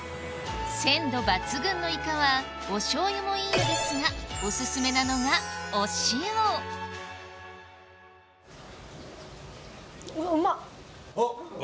鮮度抜群のイカはお醤油もいいのですがおすすめなのがお塩おっ。